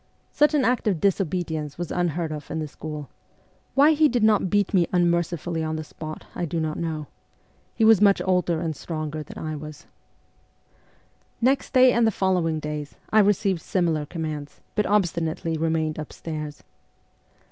Such an act of disobedience was unheard of in the THE CORPS OF PAGES 91 school. Why he did not beat me unmercifully on the spot I do not know. He was much older and stronger than I was. Next day and the following days I received similar commands, but obstinately remained upstairs.